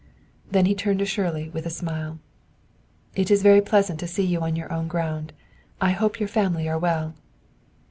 Then he turned to Shirley with a smile. "It is very pleasant to see you on your own ground. I hope your family are well."